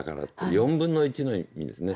４分の１の意味ですね。